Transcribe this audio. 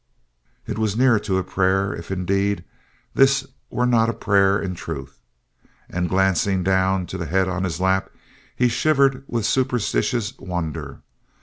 It was near to a prayer, if indeed this were not a prayer in truth. And glancing down to the head on his lap, he shivered with superstitious wonder.